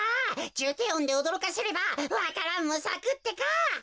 じゅうていおんでおどろかせればわか蘭もさくってか。